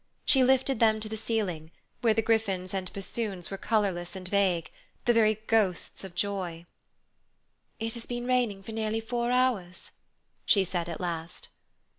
She lifted them to the ceiling, where the griffins and bassoons were colourless and vague, the very ghosts of joy. "It has been raining for nearly four hours," she said at last.